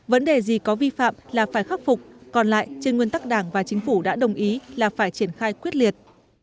vấn đề gì có vi phạm là phải khắc phục còn lại trên nguyên tắc đảng và chính phủ đã đồng ý là phải triển khai quyết liệt